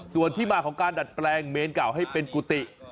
ส่วนที่มาของการดัดแปลงเมนเก่าให้เป็นกุฏิ